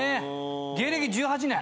芸歴１８年。